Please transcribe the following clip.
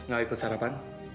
gak ikut sarapan